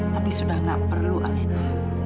tapi sudah gak perlu alena